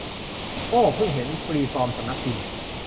โอว เพิ่งเห็น ฟรีฟอร์มสำนักพิมพ์